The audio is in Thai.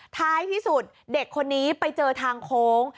ท้ายที่สุดเด็กคนนี้ไปเจอทางโค้ง